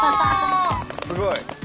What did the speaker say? すごい！